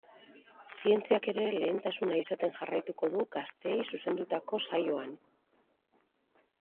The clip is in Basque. Zientziak ere lehentasuna izaten jarraituko du gazteei zuzendutako saioan.